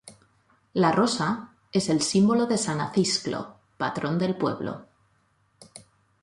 La rosa es el símbolo de san Acisclo, patrón del pueblo.